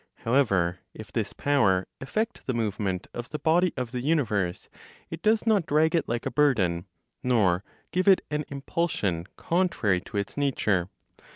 However, if this power effect the movement of the body of the universe, it does not drag it like a burden, nor give it an impulsion contrary to its nature.